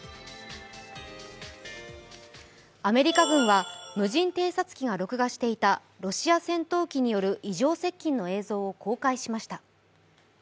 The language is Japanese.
アメリカ軍は無人偵察機が録画していたロシア戦闘機による異常接近の映像を公開しました。